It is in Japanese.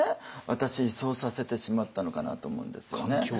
私そうさせてしまったのかなと思うんですよね。